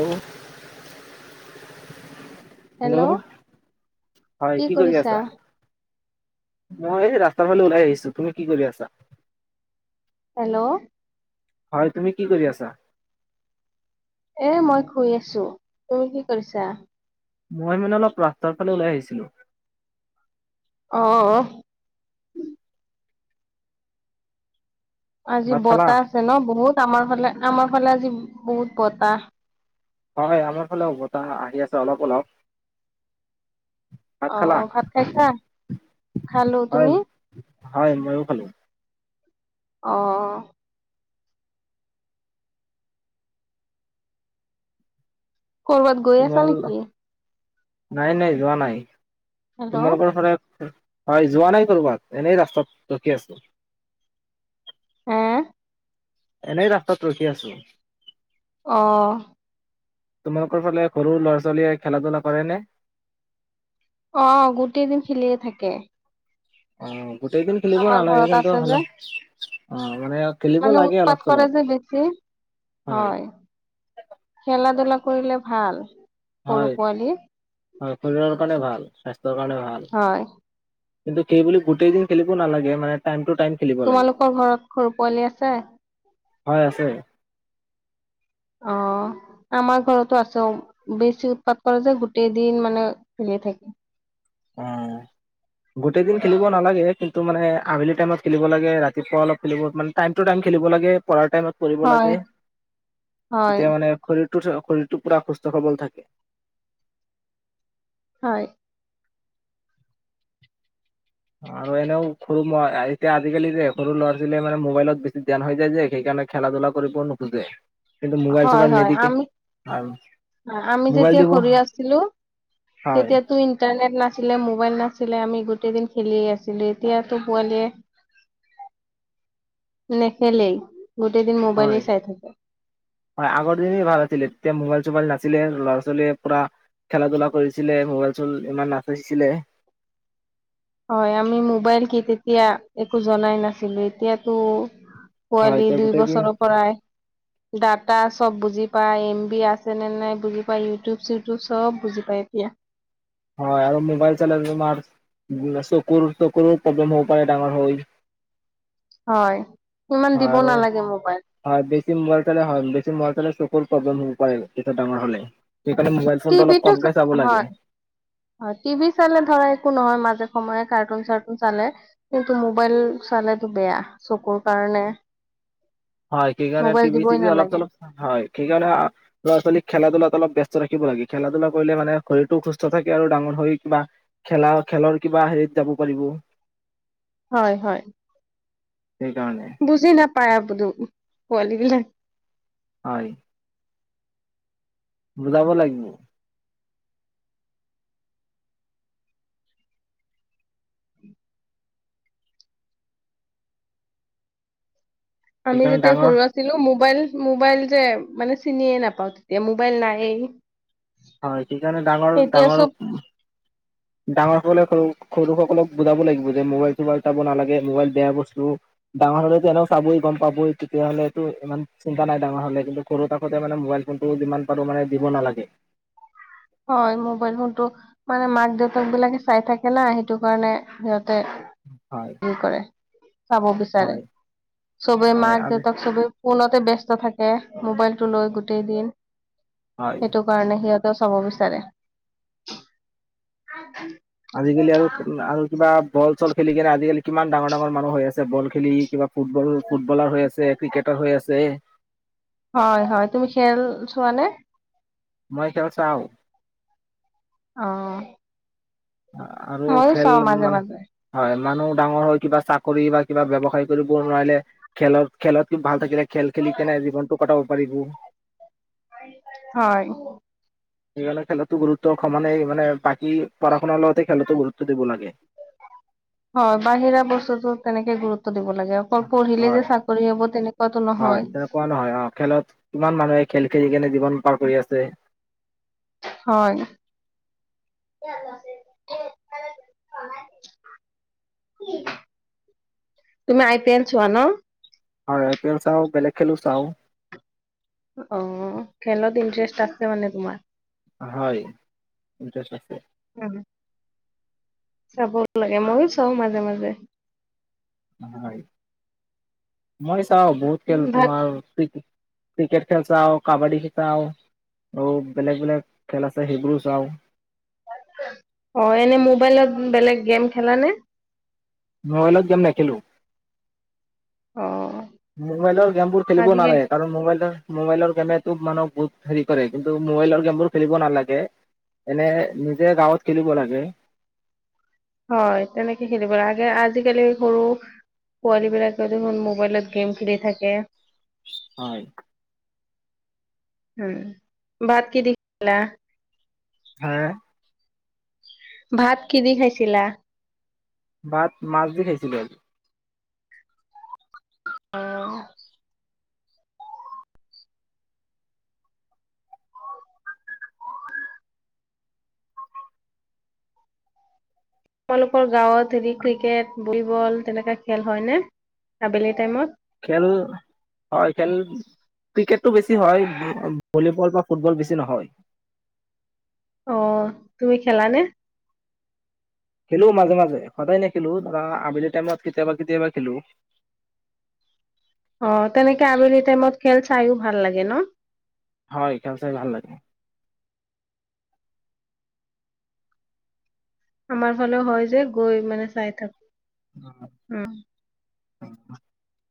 আৰু হেল্ল' হয়, কি কৰি আছা? মই এই ৰাস্তাৰ ফালে ওলাই আহিছো, তুমি কি কৰি আছা? হেল্ল'। হয়, তুমি কি কৰি আছা? এ, মই শুই আছো, তুমি কি কৰিছা? মই মানে অলপ ৰাস্তাৰ ফালে ওলাই আহিছিলোঁ। অহ। আজি ভাত খালা? বতাহ আছে ন' বহুত। আমাৰ ফালে, আমাৰ ফালে আজি বহুত বতাহ। হয়, আমাৰ ফালেও বতাহ আহি আছে অলপ অলপ। ভাত খালা? অ', ভাত খাইছা? খালো, হয় তুমি? হয় ময়ো খালো। অহ। ক'ৰবাত গৈ আছা তোমাৰ নেকি? নাই নাই যোৱা নাই। হেল্ল' তোমালোকৰ সদায় খ হয়, যোৱা নাই কৰবাত, এনেই ৰাস্তাত ৰখি আছো। এহ। এনেই ৰাস্তাত ৰখি আছো। অহ। তোমালোকৰ ফালে সৰু ল'ৰা-ছোৱালীয়ে খেলা-ধূলা কৰেনে? অ', গোটেই দিন খেলিয়ে থাকে। অ'। গোটেই দিন খেলিব আমাৰ নালাগে, ঘৰত কিন্তু আছে যে হলে অ'। মানে খেলিব মানে লাগে অলপ উৎপাত কৰে চলপ। যে বেছি, হয়, খেলা-ধূলা কৰিলে ভাল। সৰু হয়, পোৱালি তাৰ পৰা কাৰণে ভাল স্বাস্ তৰ কাৰণে ভাল। হয়। কিন্তু সেই বুলি গোটেই দিন খেলিব নালাগে, মানে টাইমটো তোমালোকৰ ঘৰত সৰু পোৱালি আছে? হয় আছে। অ', আমাৰ ঘৰতো আছে। বেছি উৎপাত কৰে যে, গোটেই দিন মানে খেলিয়েই থাকে। অ' গোটেই দিন খেলিব নালাগে, কিন তু মানে, আবেলি টাইমত খেলিব লাগে, ৰাতিপুৱা অলপ খেলিব মানে, টাইম-টো-টাইম খেলিব লাগে, পঢ়াৰ টাইমত কৰিব লাগে। হয় হয় তেতিয়া মানে খৰিত [unintelligible] শৰীৰটো পুৰা সুস্থ-সবল থাকে। হয়। আৰু এনেও সৰু। [unintelligible] এতিয়া আজিকালি যে সৰু ল'ৰা-ছোৱালীয়ে, মানে, মোবাইলত বেছি ধ্যান হৈ যায় যে, সেইকাৰণে খেলা-ধূলা কৰিবও নোখোজে। কিন্তু মোবাইল চোবাইল হয়-হয়। নিদিকে আমি, আৰু আমি মোবাইল যেতিয়া দিব সৰু আছিলোঁ, হয় তেতিয়াতো ইণ্টাৰনেট নাছিল, মোবাইল নাছ ছিলে। আমি গোটেই দিন খেলিয়েই আছিলোঁ। এতিয়াতো পোৱালীয়ে নেখেলেই গোটেই দিন হয় মোবাইলেই চাই থাকে। হয়, আগত তেই ভাল আছিলে। তেতিয়া মোবাইল-চোবাইল নাছ ছিলে, ল'ৰা-ছোৱালীয়ে পুৰা খেলা-ধূলা কৰিছিলে, মোবাইল-চোৱাইল ইমান নাছাইচিলে হয়। আমি মোবাইল কি, তেতিয়া একো জনাই নাছিলোঁ। এতিয়াতো হয় পোৱালি এতিয়া দুই গোটেই দিন বছৰৰ পৰাই দাটাছ চব বুজি পায়। এম বি আছে নে নাই বুজি পায়। ইউটিউব চিউটিউব চব বুজি পায় এতিয়া। হয়। আৰু মোবাইল চালে, তোমাৰ চকুৰ, চকুৰো প্ৰব্লেম হ'ব পাৰে ডাঙৰ হৈ হয়। ইমান হয়, দিব আৰু নালাগে মোবাইল হয়। বেছি মোবাইল চালে হয়, বেছি বেছি মোবাইল চালে চকুৰ প্ৰব্লেম হ'ব পাৰে, যেতিয়া ডাঙৰ হ'লে। সেইকাৰণে মোবাইল ফোনটো অলপ টিভিটো কমকে চাব লাগে হয়, হয়। টিভি চালে, ধৰা, একো নহয়, মাজে সময়ে কাৰ্টুন চাৰ্টুন চালে। কিন্তু মোবাইল চালেটো বেয়া, চকুৰ কাৰণে। হয়। সেইকাৰণে মোবাইল টিভি দিবই চিভি অলপ নালাগে চলপ হয়। সেইকাৰণে অ, ল'ৰা ছোৱালী খেলা ধূলাত অলপ ব্যস্ত ৰাখিব লাগে। খেলা ধূলা কৰিলে, মানে, শৰীৰটো সুস্থ থাকে আৰু ডাঙৰ হৈ, কিবা খেলা খেলৰ কিবা হেৰিত যাব পাৰিব। হয় হয়। সেইকাৰণে [unintelligible] পোৱালি বিলাগ হয়। বুজাব লাগিব। আমি সেইকাৰণে যেতিয়া ডাঙৰ সৰু আছিলোঁ, মোক মোবাইল মোবাইল যে মানে চিনি নাপাওঁ মোবাইল নাইয়ে। হয় সেইকাৰণে ডাঙৰ ডাঙৰ ডাঙৰসকলে সৰু-সৰুসকলক বুজাব লাগিব যে মোবাইল, চোবাইল চাব নালাগে। মোবাইল বেয়া বস্তু। ডাঙৰ হ'লেতো এনেও চাবই, গম পাবই। তেতিয়া হ'লেতো ইমান চিন্তা নাই, ডাঙৰ হ'লে। কিন্তু সৰু থাকোঁতে, মানে, মোবাইল ফোনটো যিমান পাৰোঁ, মানে, দিব নালাগে। হয়, মোবাইল ফোনটো, মানে, মাক, দেউতাকবিলাকে চাই থাকে না। সেইটো কাৰণে সিহত হয় [unintelligible] কৰে। চাব বিচাৰে। হয় চবেই হয় মাক, আজি দেউতাক, চবেই ফোনতে ব্যস্ত থাকে। মোবাইলটো লৈ গোটেই দিন হয় সেইটো কাৰণে সিহঁত চাব বিচাৰে আজিকালি আৰু, আৰু কিবা বল, চল খেলি কিনে। আজিকালি কিমান ডাঙৰ, ডাঙৰ মানুহ হৈ আছে। বব খেলি কিবা ফুটবলৰ ফুটবলাৰ হৈ আছে। ক্ৰিকেটাৰ হৈ আছে হয় হয় তুমি খেল চোৱানে মই খেল চাওঁ। অ আৰু ময়ো খেল, চাও মাজে মানে, মাজে হয় মানুহ ডাঙৰ হৈ কিবা চাকৰি বা কিবা ব্যৱসায় কৰিব নোৱাৰিলে, খেলত, খেলত যদি ভাল থাকিলে খেল খেলি কেনেই জীৱনতটো কটাব পাৰিব। হয়। সেইকাৰণে খেলতো গুৰুত্ব সমানেই। মানে, বাকী পঢ়া-শুনাৰ লগত হয়, বাহিৰা বস্তুটো তেনেকে গুৰু দিব লাগে। অকল পঢ়িলে হয় যে চাকৰি হব তেনেক হয় তেনেকুৱা নহয় অ খেলত কিমান মানুহে খেল খেলি কেনে জীৱন পাৰ কৰি আছে। হয়, তুমি আই পি এল চোৱা ন? হয় আই পি এল চাওঁ বেলেগ খেলো চাওঁ। অ' খেলত ইণ্টাৰেষ্ট আছে মানে তোমাৰ? হয় ইনট্ৰাৰেষ্ট আছে। উম। চাব লাগে ময়ো চাওঁ মাজে মাজে। হয় মই বহুত খেল ভাত তোমাৰ ক্ৰি ক্ৰিকেট খেল চাওঁ, কাবাডী চাওঁ আৰু বেলেগ বেলেগ খেল আছে সেইবোৰো চাওঁ। অ' এনে মোবাইলত বেলেগ গেম খেলা নে? মোবাইলত গেম নেখেলো। অ'। মোবাইলৰ গেমবোৰ খেলিব আজিকালি নালাগে। কাৰণ মোবাইলৰ মোবাইলৰ গেমে মানুহক বহুত হেৰি কৰে। কিন্তু মোবাইলৰ গেমবোৰ খেলিব নালাগে এনে নিজে গাঁৱত খেলিব লাগে। হয়, তেনেকে খেলিব লাগে, আগে আজিকালি সৰু পোৱালীবিলাকে দেখোন মোবাইলত গেম খেলি থাকে। হয়। উম, বাট কি দি খালা? হা ভাত কি দি খাইছিলা? ভাত মাছ দি খাইছিলো আজি। অ'। তোমালোকৰ গাঁৱত হেৰি ক্ৰিকেট, ভলীবল তেনেকুৱা খেল হয়নে আবেলি টাইমত? খেল হয়, খেল ক্ৰিকেটটো বেছি হয় অ', ভলীবল বা ফুটবল বেছি নহয়। অ', তুমি খেলানে? খেলো মাজে মাজে সদায় নেখেলো ধৰা আবেলি টাইমত কেতিয়াবা কেতিয়াবা খেলো। অ', তেনেকে আবেলি টাইমত খেল চাইয়ো ভাল লাগে ন'? হয় খেল চাই ভাল লাগে। আমাৰ ফালে হয় যে গৈ মানে চাই থাক উম। [inaudible]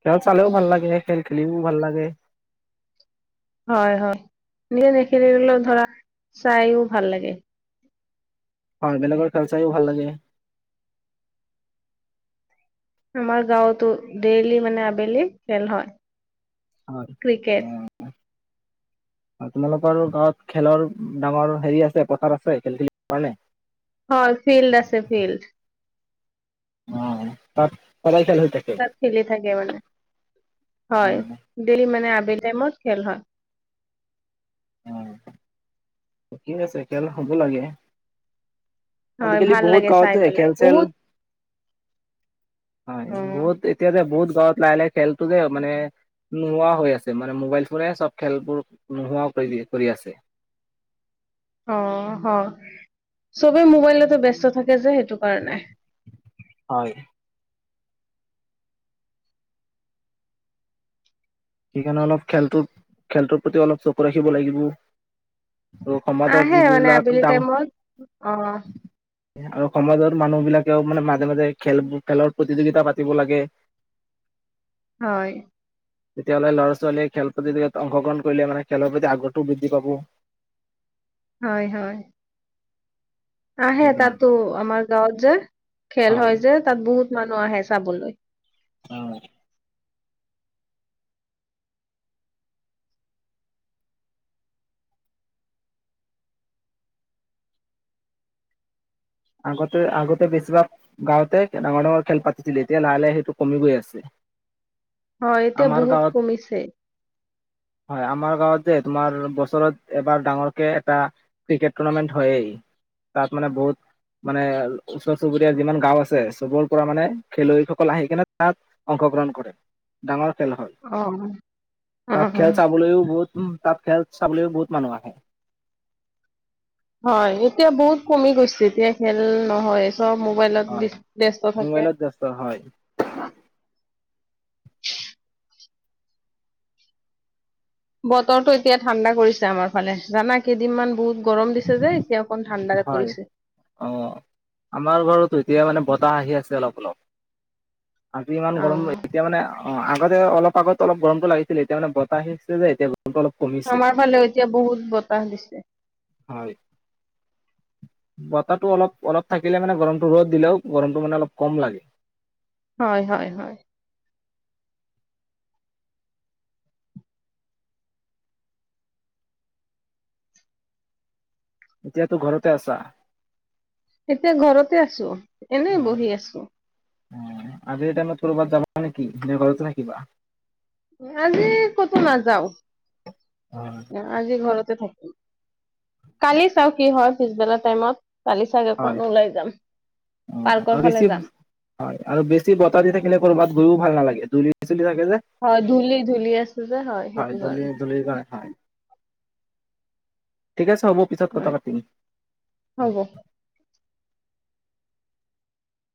খেল চালেও ভাল লাগে, খেল খেলিও ভাল লাগে। হয়, হয় নিজে নেখেলিলেও ধৰা চাইও ভাল লাগে। হয় বেলেগৰ খেল চাইও ভাল লাগে। আমাৰ গাঁৱতো ডেইলি মানে আবেলি খেল হয়। ক্ৰিকেট। আপোনালোকৰ গাঁৱত খেলৰ ডাঙৰ হেৰি আছে পথাৰ আছে খেল খেলিব কাৰণে? হয় ফিল্ড আছে ফিল্ড। অ', তাত সদায় খেল হৈ থাকে। তাত খেলি থাকে মানে। [inaudible] হয় ডেইলি মানে আবেলি টাইমত খেল হয়। কি আছে খেল হ'ব লাগে। হয় আজিকালি ভাল বহুত লাগে চাই গাঁওতে পেলাই খেল চেল বহুত হয়, অ বহুত এতিয়া যে বহুত ত লাহে লাহে খেলতো যে মানে নোহোৱা হৈ আছে, মানে মোবাইল ফোনে চব খেলবোৰ নোহোৱা কৰি দি কৰি আছে। অ', অ', চবেই মোবাইলতে ব্যস্ত থাক থিক আছে সেইটো কাৰণে। হয়। সেইকাৰণে অলপ খেলটো, খেলটোৰ প্ৰতি অলপ চকু ৰাখিব লাগিব। আৰু সমাজৰ আহে মানে যিবিলাক আবেলি ডাঙ টাইমত অ'। আৰু সমাজৰ মানুহবিলাকেও মানে মাজে মাজে খেল খেলৰ প্ৰতিযোগিতা পাতিব লাগে। হয়। তেতিয়াহ'লে ল'ৰা ছোৱালীয়ে খেল প্ৰতিযোগিতাত অংশগ্ৰহণ কৰিলে মানে খেলৰ প্ৰতি আগ্ৰহও বৃদ্ধি পাব। হয় হয়। আহে সেইকাৰণে। তাতো আমাৰ গাঁৱত যে খেল হয় যে, তাত বহু বহুত মানুহ আহে চাবলৈ। অ'। আগতে-আগতে বেছিভাগ গাঁৱঁতে ডাঙৰ-ডাঙৰ খেল পাতিছিলে। এতিয়া লাহে-লাহে সেইটো কমি গৈ আছে। হয়। এতিয়া আমাৰ বহুত গাঁৱত কমিছে। হয়। আমাৰ গাঁৱত যে, তোমাৰ, বছৰত এবাৰ ডাঙৰকে এটা ক্ৰিকেট টুৰ্ণামেণ্ট হয়েই। তাত, মানে, বহুত মানে, ওচৰ-চুবুৰীয়া যিমান গাঁও আছে, চবৰ পৰা, মানে, খেলুৱৈসকল আহি কিনে, তাত অংশগ্ৰহণ কৰে। ডাঙৰ খেল হয়। অ অ তাত খেল অ চাবলৈও বহুত উম, তাত খেল চাবলৈও বহুত মানুহ আহে। হয়। এতিয়া বহুত কমি গৈছে। এতিয়া খেল নহয়েই চব মোবাইলত হয় ব্যস্ত থাকে। মোবাইলত ব্যস্ত হয় বতৰটো এতিয়া ঠাণ্ডা কৰিছে আমাৰ ফালে, জানা। কেইদিনমান বহুত গৰম দিছে যে, এতিয়া অকণ ঠাণ্ড হয়। অ', আমাৰ ঘৰতো এতিয়া মানে বাঁহ আহি আছে অলপ-অলপ। আজি ইমান অ গৰম। এতিয়া মানে অ', আগতে অলপ, আগত অলপ গৰমতো লাগিছিলে। এতিয়া, মানে, বতাহ আহি আছে যে, এতিয়া গ আমাৰ ফালেও এতিয়া বহুত বতাহ দিছে। হয়, বতাহটো অলপ-অলপ থাকিলে, মানে, গৰমটো, ৰ'দ দিলেও, গৰমটো, মানে, অলপ কম লাগে। হয়-হয়-হয়। এতিয়াতো ঘৰতে আছা? এতিয়া ঘৰতে আছোঁ। এনেই বহি আছোঁ। উঁ, আজিৰ টাইমত কৰবাত যাবা নেকি? নে ঘৰতে থাকিবা? আজি ক'তো নাযাওঁ। আজি ঘৰতে থাকি কালি চাওঁ কি হয়। পিছবেলা টাইমত কালি চাগে অকণ হয়, ওলাই যাম অ'। পাৰ্কৰ আৰু ফালে বেছি, যাম হয়, আৰু বেছি বতাহ দি থাকিলে, কৰবাত গৈও ভাল নালাগে। [unintelligible] হয়, ধূলি-ধূলি আছে যে। হয়, সেইটো ধূলি কাৰণে ধূলিৰ কাৰণে হয় ঠিক আছে। হ'ব। পিছত কথা হয় পাতিম। হ'ব